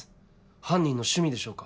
犯人の趣味でしょうか。